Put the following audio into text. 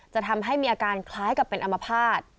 จะทำให้มีอาการคล้ายกับเป็นอมภาษณ์